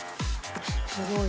すごい。